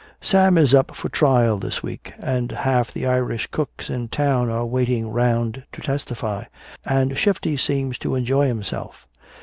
"Sam is up for trial this week and half the Irish cooks in town are waiting 'round to testify. And Shifty seems to enjoy himself.